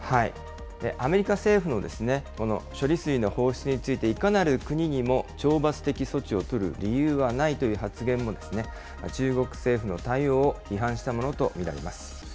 アメリカ政府の処理水の放出について、いかなる国にも懲罰的措置を取る理由はないという発言も、中国政府の対応を批判したものと見られます。